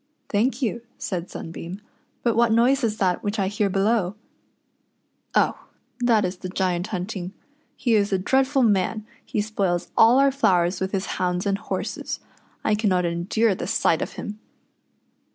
" Thank you," said Sunbeam ;" but what noise is that which I hear below }" "Oh! that is the Giant hunting. He is a dreadful man — he spoils all our flowers with his hounds and horses. I cannot endure the sight of him."